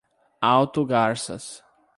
Alto Garças